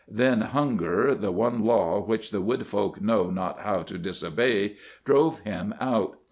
Then hunger, the one law which the wood folk know not how to disobey, drove him out.